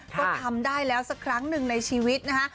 ก็ทำได้แล้วสักครั้งหนึ่งในชีวิตนะคะ